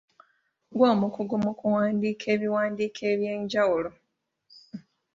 Ggwe omukugu mu kuwandiika ebiwandiiko eby’enjawulo.